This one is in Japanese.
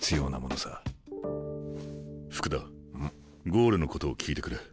ゴールのことを聞いてくれ。